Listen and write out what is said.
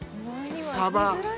サバ